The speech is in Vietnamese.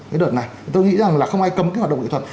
cái đợt này tôi nghĩ rằng là không ai cấm cái hoạt động nghệ thuật